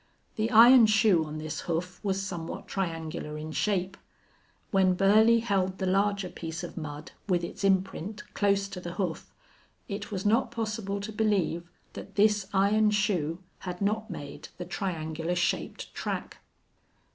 The iron shoe on this hoof was somewhat triangular in shape. When Burley held the larger piece of mud, with its imprint, close to the hoof, it was not possible to believe that this iron shoe had not made the triangular shaped track.